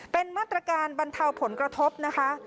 เป็นมาตรการบรรเทาผลกระทบนะคะ